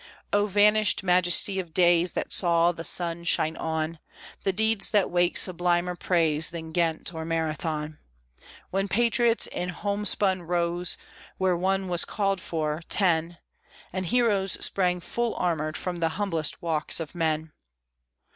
O vanished majesty of days that saw the sun shine on The deeds that wake sublimer praise than Ghent or Marathon; When patriots in homespun rose where one was called for, ten And heroes sprang full armored from the humblest walks of men!